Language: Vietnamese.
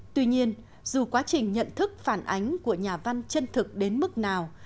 tuy nhiên dù quá trình nhận thức phản ánh của nhà văn chân thực đến mức nào